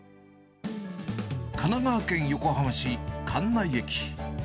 神奈川県横浜市関内駅。